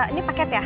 ini paket ya